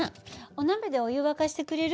お鍋でお湯沸かしてくれる？